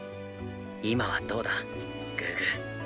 今はどうだグーグー。